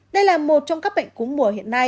đây là một trong các bệnh cúm mùa hiện nay